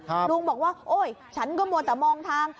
ลุงบอกว่าโอ๊ยฉันก็มัวแต่มองทาง